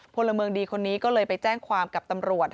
พลเมืองดีคนนี้ก็เลยไปแจ้งความกับตำรวจ